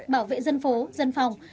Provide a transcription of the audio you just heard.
bảo vệ dân phố dân phòng